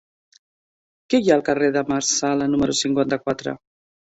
Què hi ha al carrer de Marsala número cinquanta-quatre?